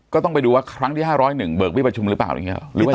ก็ต้องไปดูว่าครั้งที่ห้าร้อยหนึ่งเบิกเบี้ยประชุมหรือเปล่าอย่างเงี้ยหรือว่า